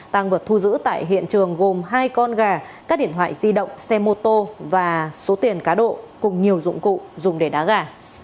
tăng vật thu giữ tại hiện trường gồm hai con gà các điện thoại di động xe mô tô và số tiền cá độ cùng nhiều dụng cụ dùng để đá gà